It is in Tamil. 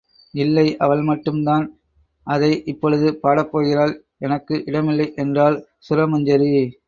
இல்லை அவள் மட்டும் தான் அதை இப்பொழுது பாடப் போகிறாள் எனக்கு இடமில்லை என்றாள் சுரமஞ்சரி.